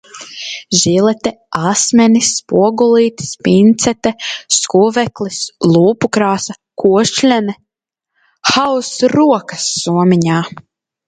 Žilete, asmenis, spogulītis, pincete, skuveklis, lūpukrāsa, košļene - haoss rokassomiņā.